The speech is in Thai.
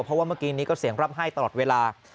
เพราะว่าเมื่อกี้นี้ก็เสียงร่ำไห้ตลอดเวลา